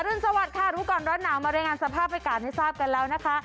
รุนสวัสดิ์รู้ก่อนร้อนหนาวมารายงานสภาพอากาศให้ทราบกันแล้วนะคะ